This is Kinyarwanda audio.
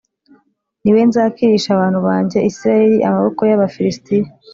ni we nzakirisha abantu banjye Isirayeli amaboko y’Abafilisitiya